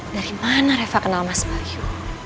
dari mana reva kenal mas bayu